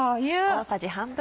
大さじ半分。